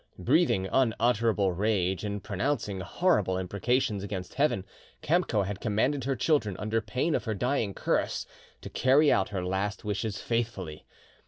Breathing unutterable rage and pronouncing horrible imprecations against Heaven, Kamco had commanded her children, under pain of her dying curse, to carry out her last wishes faithfully.